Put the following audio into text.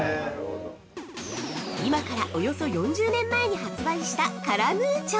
◆今からおよそ４０年前に発売したカラムーチョ！